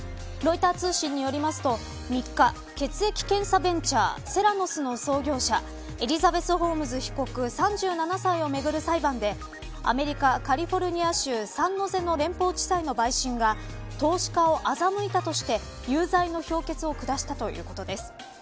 ロイター通信によりますと、３日血液検査ベンチャーセラノスの創業者エリザベス・ホームズ被告３７歳をめぐる裁判でアメリカ、カリフォルニア州サンノゼの連邦地裁の陪審が投資家を欺いたとして有罪の評決を下したということです。